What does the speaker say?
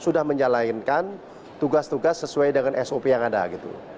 sudah menjalankan tugas tugas sesuaikan sop nya ada gitu